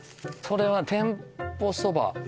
それは天保そば